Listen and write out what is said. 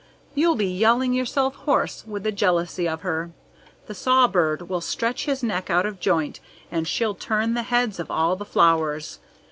You'll be yelling yourself hoarse with the jealousy of her. The sawbird will stretch his neck out of joint, and she'll turn the heads of all the flowers.